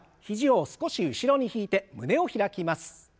肘を少し後ろに引いて胸を開きます。